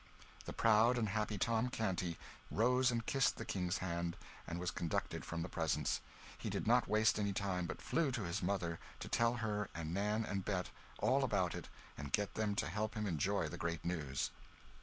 The proud and happy Tom Canty rose and kissed the King's hand, and was conducted from the presence. He did not waste any time, but flew to his mother, to tell her and Nan and Bet all about it and get them to help him enjoy the great news.